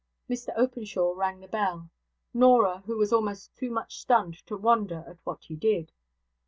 Mr Openshaw rang the bell. Norah was almost too much stunned to wonder at what he did.